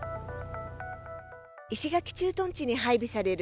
石垣駐屯地に配備される